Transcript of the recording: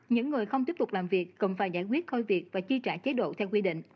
những người không tiếp tục làm việc cầm phà giải quyết khôi việc và chi trả chế độ theo quy định